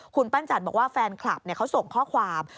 คุณปั้นจันทร์บอกว่าแฟนคลับเขาส่งข้อความ